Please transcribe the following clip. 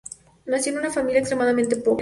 Nació en una familia extremadamente pobre.